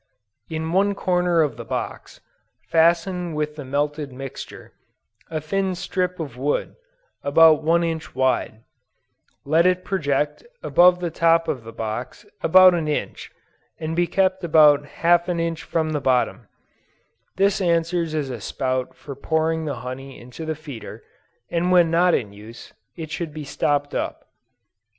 In one corner of the box, fasten with the melted mixture, a thin strip of wood, about one inch wide; let it project above the top of the box about an inch, and be kept about half an inch from the bottom; this answers as a spout for pouring the honey into the feeder, and when not in use, it should be stopped up.